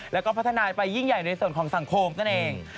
แล้วก็พัฒนาไปยิ่งใหญ่ในส่วนของสังคมนั่นเอง